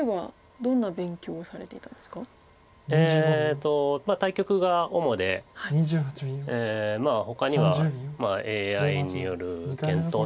えっと対局が主でまあほかにはＡＩによる検討とか。